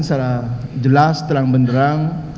secara jelas terang benderang